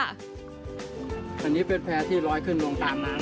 อันนี้เป็นแพร่ที่ลอยขึ้นลงตามน้ำ